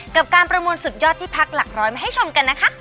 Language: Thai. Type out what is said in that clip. กับการประมูลสุดยอดที่พักหลักร้อยมาให้ชมกันนะคะ